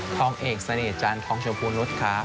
ทองเอกสนิทจันทร์ทองชมพูนุษย์ครับ